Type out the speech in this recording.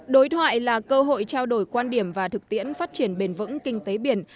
đối thoại là cơ hội trao đổi quan điểm và thực tiễn phát triển bền vững kinh tế biển